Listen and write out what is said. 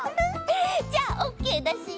じゃあオッケーだし！